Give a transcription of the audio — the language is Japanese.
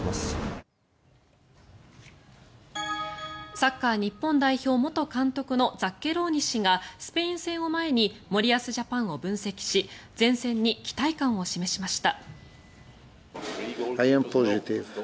サッカー日本代表元監督のザッケローニ氏がスペイン戦を前に森保ジャパンを分析し善戦に期待感を示しました。